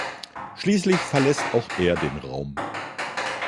Schließlich verlässt auch er den Raum.